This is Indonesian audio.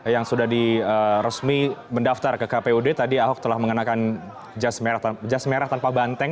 yang sudah diresmi mendaftar ke kpud tadi ahok telah mengenakan jas merah tanpa banteng